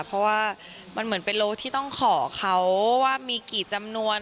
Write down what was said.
เพราะว่ามันเหมือนเป็นโลที่ต้องขอเขาว่ามีกี่จำนวน